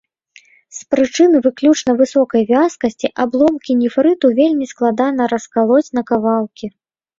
З прычыны выключна высокай вязкасці абломкі нефрыту вельмі складана раскалоць на кавалкі.